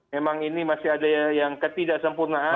memang ini masih ada yang ketidaksempurnaan